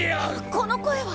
この声は？